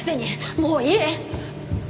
もういい！